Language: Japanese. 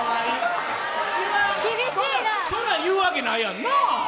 そんなん言うわけないやんな！